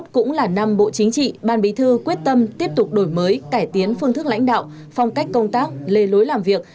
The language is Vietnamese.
hai nghìn hai mươi một cũng là năm bộ chính trị ban bí thư quyết tâm tiếp tục đổi mới cải tiến phương thức lãnh đạo phong cách công tác lề lối làm việc